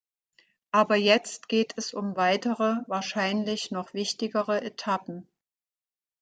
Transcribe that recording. Aber jetzt geht es um weitere, wahrscheinlich noch wichtigere Etappen.